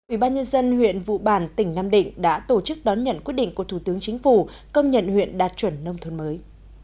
ubnd huyện vũ bản tỉnh nam định đã tổ chức đón nhận quyết định của thủ tướng chính phủ công nhận huyện đạt chuẩn nông thôn mới